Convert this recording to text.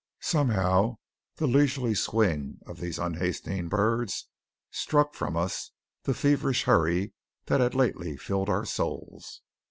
Somehow the leisurely swing of these unhasting birds struck from us the feverish hurry that had lately filled our souls.